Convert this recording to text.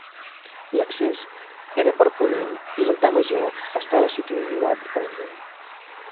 L'accés era per ponent i l'altar major estava situat a orient.